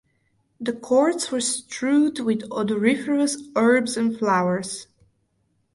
The courts were strewed with odoriferous herbs and flowers.